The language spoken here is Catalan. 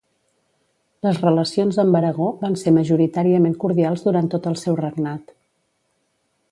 Les relacions amb Aragó van ser majoritàriament cordials durant tot el seu regnat.